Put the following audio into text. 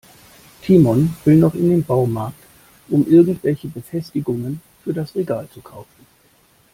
Timon will noch in den Baumarkt, um irgendwelche Befestigungen für das Regal zu kaufen.